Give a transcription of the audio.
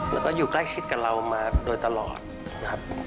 แล้วก็อยู่ใกล้ชิดกับเรามาโดยตลอดนะครับ